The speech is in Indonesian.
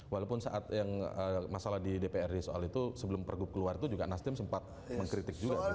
walaupun saat yang masalah di dprd soal itu sebelum pergub keluar itu juga nasdem sempat mengkritik juga